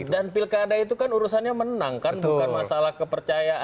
dan pilkada itu kan urusannya menang kan bukan masalah kepercayaan